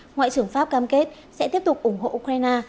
ngoại trưởng pháp cam kết sẽ tiếp tục ủng hộ ukraine